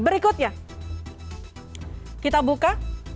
berikutnya kita buka